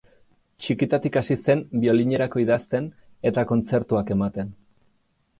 Txikitatik hasi zen biolinerako idazten eta kontzertuak ematen.